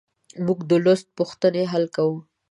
موږ د لوست پوښتنې حل کوو.